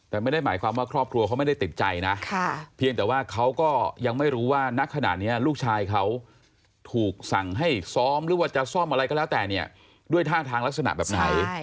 แต่ไม่ได้หมายความว่าครอบครัวเขาไม่ได้ติดใจนะเพียงแต่ว่าเขาก็ยังไม่รู้ว่านักขณะนี้ลูกชายเขาถูกสั่งให้ซ้อมหรือว่าจะซ่อมอะไรก็แล้วแต่เนี่ยด้วยท่าทางลักษณะแบบไหน